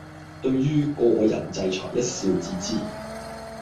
對於個人制裁一笑置之